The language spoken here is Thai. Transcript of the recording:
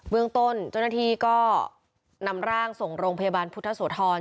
เมืองต้นเจ้าหน้าที่ก็นำร่างส่งโรงพยาบาลพุทธโสธร